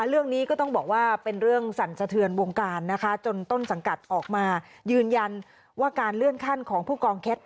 เรื่องนี้ก็ต้องบอกว่าเป็นเรื่องสั่นสะเทือนวงการนะคะจนต้นสังกัดออกมายืนยันว่าการเลื่อนขั้นของผู้กองเคส